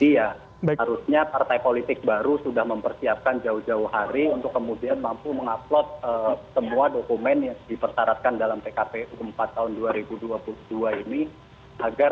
jadi ya harusnya partai politik baru sudah mempersiapkan jauh jauh hari untuk kemudian mampu mengupload semua dokumen yang dipertaraskan dalam tkpu keempat tahun dua ribu dua puluh dua ini agar tidak terburu buru atau kemudian tidak di hari terakhir